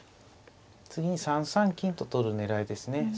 次に３三金と取る狙いですね。